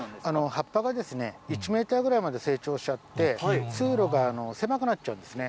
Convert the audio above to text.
葉っぱが１メーターぐらいまで成長しちゃって、通路が狭くなっちゃうんですね。